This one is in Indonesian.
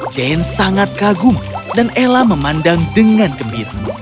jane sangat kagum dan ella memandang dengan gembira